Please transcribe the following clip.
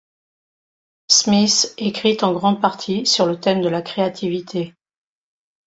Smith écrit en grande partie sur le thème de la créativité.